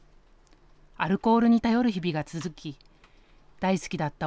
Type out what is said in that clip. アルコールに頼る日々が続き大好きだった